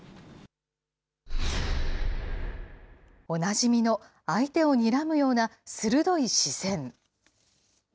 おなじみの相手をにらむような鋭い視線。